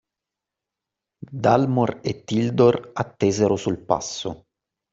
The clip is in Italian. Dalmor e Tildor attesero sul passo